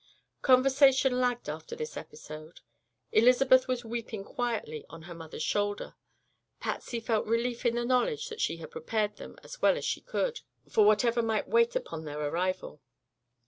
Conversation lagged after this episode. Elizabeth was weeping quietly on her mother's shoulder. Patsy felt relief in the knowledge that she had prepared them, as well as she could, for whatever might wait upon their arrival.